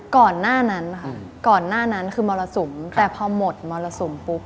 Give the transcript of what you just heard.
ก่อนหน้านั้นนะคะก่อนหน้านั้นคือมรสุมแต่พอหมดมรสุมปุ๊บ